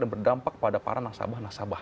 dan berdampak pada para nasabah nasabah